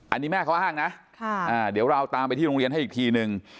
อันนี้แม่เขาอ้างนะเดี๋ยวเราตามไปที่โรงเรียนให้อีกทีนึง